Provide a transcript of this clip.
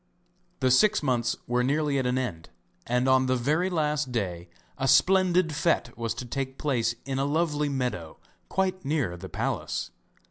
The six months were nearly at an end, and on the very last day a splendid fête was to take place in a lovely meadow quite near the palace.